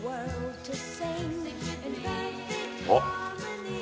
あっ！